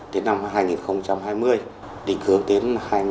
đến năm hai nghìn hai mươi định hướng đến hai nghìn ba mươi